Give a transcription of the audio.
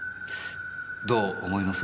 どう思います？